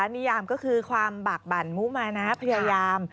นิยามก็คือความบากบั่นมุมานะพยายาม